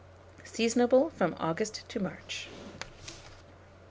Seasonable from August to March.